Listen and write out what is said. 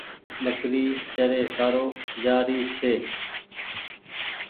ٻڪري چري سارو جآ ري ڇي۔